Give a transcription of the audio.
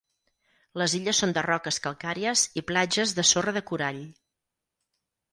Les illes són de roques calcàries i platges de sorra de corall.